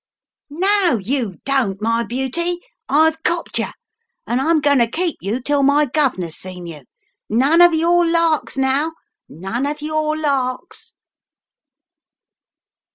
"No, you don't, my beauty! I've copped yer, 1 and Fm going to keep you till my guv'nor's seen you. None of your larks, now! None of your larks!"